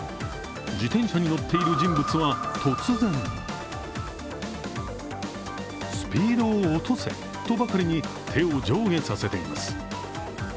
自転車に乗っている人物は突然スピードを落とせとばかりに手を上下させています。